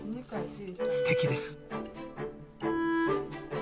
すてきです。